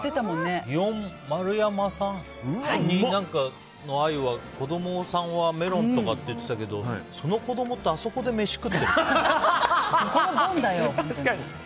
祇園丸山さんのアユは子供さんはメロンとかって言ってたけどその子供ってあそこで飯食ってるの？